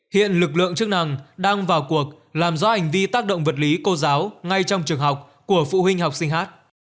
hiện lực lượng chức năng đang vào cuộc làm rõ hành vi tác động vật lý cô giáo ngay trong trường học của phụ huynh học sinh hát